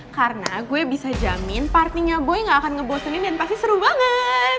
karena gue bisa jamin partinya boy gak akan ngebosenin dan pasti seru banget